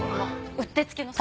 うってつけの。